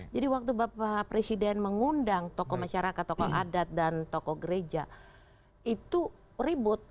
jadi waktu bapak presiden mengundang tokoh masyarakat tokoh adat dan tokoh gereja itu ribut